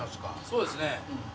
そうですね。